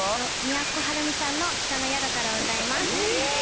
都はるみさんの『北の宿から』を歌います。